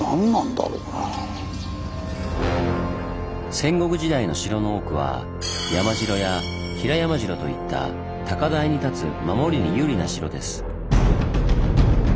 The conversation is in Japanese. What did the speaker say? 戦国時代の城の多くは山城や平山城といった高台に建つ守りに有利な城です。